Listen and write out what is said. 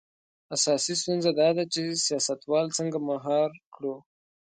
اساسي ستونزه دا ده چې سیاستوال څنګه مهار کړو.